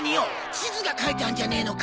地図が描いてあんじゃねぇのか？